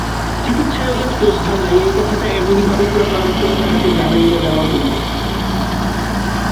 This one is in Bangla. চিকিৎসায় ওদের শ্রদ্ধা নাই, এই কথাটা এমনিভাবে প্রকারান্তরে তাহাকে জানাইয়া দেওয়া হইতেছে।